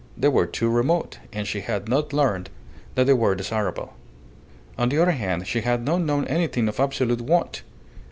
They were too remote, and she had not learned that they were desirable. On the other hand, she had not known anything of absolute want.